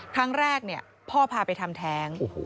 ครั้งแรกพ่อพาไปทำแท้ง